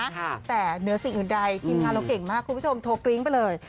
แต่เหนือสิ่งอื่นใดทีมงานเราเก่งมากคุณผู้ชมโทรกริ้งไปเลย